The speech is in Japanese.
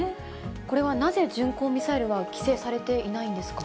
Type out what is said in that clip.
これはなぜ、巡航ミサイルは規制されていないんですか？